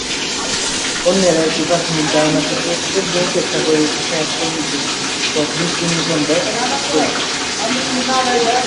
অন্যরা এই প্রাথমিক ধারণাটিকে পূর্বে উপেক্ষা করা ইতিহাস-কর্মীদের উপর দৃষ্টি নিবদ্ধ করেছে।